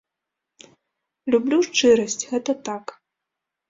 Люблю шчырасць, гэта так!